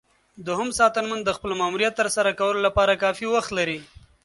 دوهم ساتنمن د خپل ماموریت ترسره کولو لپاره کافي وخت لري.